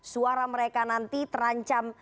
suara mereka nanti terancam